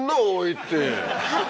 って。